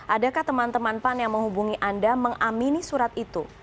adakah teman teman pan yang menghubungi anda mengamini surat itu